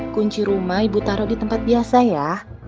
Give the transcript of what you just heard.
kunci rumah ibu taruh di tempat biasa ya